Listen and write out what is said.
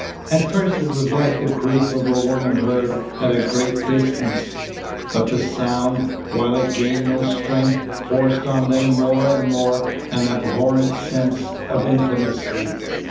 At first it was like the grief of a woman heard at a great distance. But the sound, while it gained no strength, forced on them more and more an abhorrent sense of intimacy.